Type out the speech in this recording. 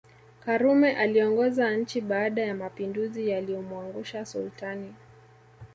Karume aliongoza nchi baada ya mapinduzi yaliyomwangusha Sultani